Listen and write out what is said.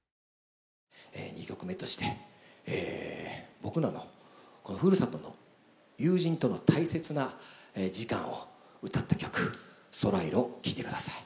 ２曲目として僕らのこのふるさとの友人との大切な時間を歌った曲「そらいろ」を聴いて下さい。